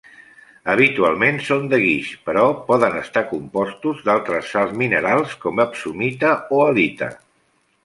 Habitualment són de guix, però poder estar composts d'altres sals minerals com epsomita o halita.